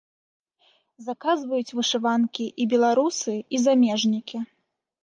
Заказваюць вышыванкі і беларусы, і замежнікі.